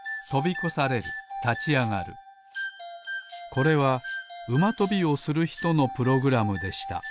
これはうまとびをするひとのプログラムでした。